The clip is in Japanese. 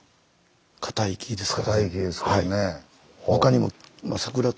かたい木ですからね。